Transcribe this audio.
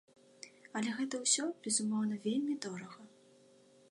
Але гэта ўсё, безумоўна, вельмі дорага.